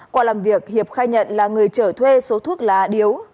qua làm việc hiệp khai nhận là người trở thuê số thuốc lá điếu